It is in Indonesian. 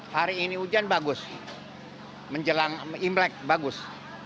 hari ini hujan bagus menjelang imlek bagus